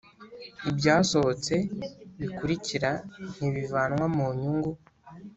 Ibyasohotse bikurikira ntibivanwa mu nyungu